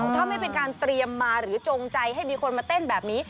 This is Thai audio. ถ้าไม่เป็นการเตรียมมาหรือจงใจให้มีคนมาเต้นแบบนี้